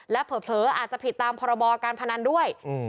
และเผลออาจจะผิดตามพรบการพนันด้วย